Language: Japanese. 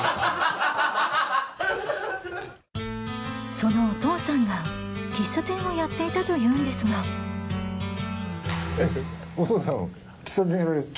そのお父さんが喫茶店をやっていたというんですがお父さん喫茶店やられてた？